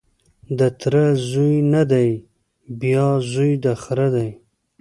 د تره زوی نه دی بیا زوی د خره دی